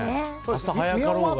明日、早かろうが。